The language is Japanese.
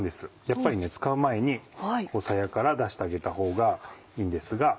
やっぱり使う前にさやから出してあげたほうがいいんですが。